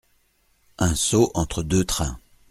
Un saut entre deux trains !